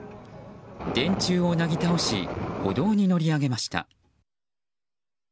電柱をなぎ倒し歩道に乗り上げました。